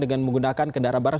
dengan menggunakan kendaraan barang